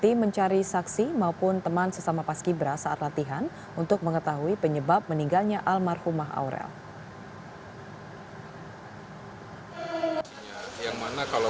tim mencari saksi maupun teman sesama paski bra saat latihan untuk mengetahui penyebab meninggalnya almarhumah aurel